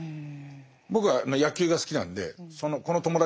僕は野球が好きなんでこの友達関係をね